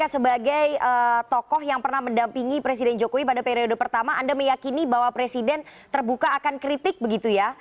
sebagai tokoh yang pernah mendampingi presiden jokowi pada periode pertama anda meyakini bahwa presiden terbuka akan kritik begitu ya